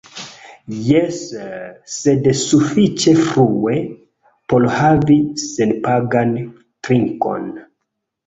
Jes... sed sufiĉe frue por havi senpagan trinkon